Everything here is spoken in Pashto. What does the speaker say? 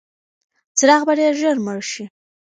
څراغ به ډېر ژر مړ شي.